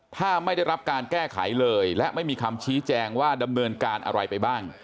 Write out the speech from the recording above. ถ้าไม่ได้รับการแก้ไขเลยและไม่มีคำชี้แจงว่าดำเนินการอะไรไปบ้าง